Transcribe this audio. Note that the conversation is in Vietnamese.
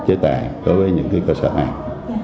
chế tài đối với những cơ sở hàng